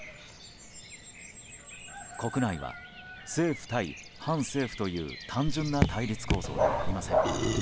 国内は政府対反政府という単純な対立構造ではありません。